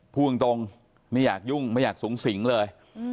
พูดตรงไม่อยากยุ่งไม่อยากสูงสิงเลย